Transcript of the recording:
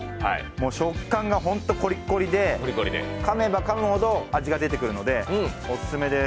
食感がホントこりっこりで、かめばかむほど味が出てくるのでオススメです。